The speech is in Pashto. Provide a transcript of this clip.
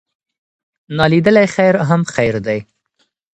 نا لیدلی خیر هم خیر دی.